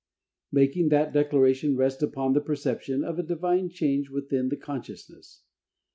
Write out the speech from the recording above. making that declaration rest upon the perception of a Divine change within the consciousness.